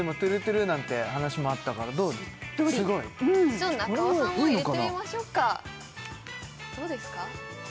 しっとりうん中尾さんも入れてみましょうかどうですか？